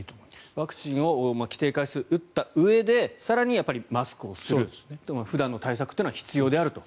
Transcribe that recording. ワクチンを規定回数打ったうえで更にマスクをする普段の対策は必要であると。